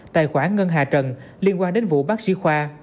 tài khoản ngân hà trần liên quan đến vụ bác sĩ khoa